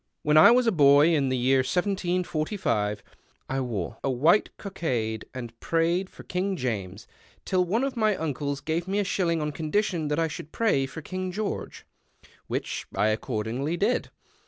When I was a boy in the N'ear 1745 I wore a white cockade and prayed for Kin^ James, till one of my uncles gave me a shilling on condition that I should pray for King George, which I accordingly did.